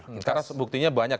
sekarang buktinya banyak